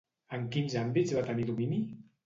En quins àmbits va tenir domini?